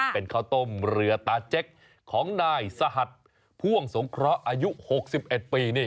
เป็นข้าวต้มเรือตาเจ๊กของนายสหัสพ่วงสงเคราะห์อายุ๖๑ปี